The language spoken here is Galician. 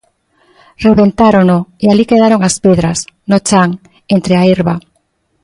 Rebentárono e alí quedaron as pedras, no chan, entre a herba.